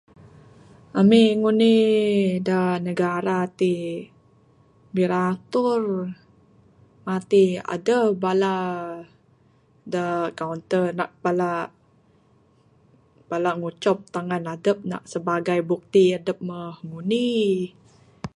Ami ngundi dak negara tik, biratur tapi aduh bala da kaunter nak palak, palak ngucop tangan adup nak sebagai bukti adup mbuh ngundi.